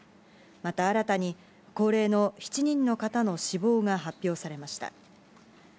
また新たに、高齢の７人の方の死亡が発表されました。